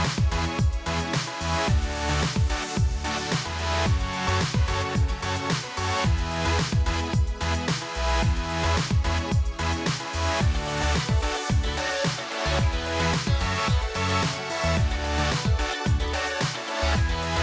สองมือลูกกระเป๋าสองเท้าเก้าคมายุม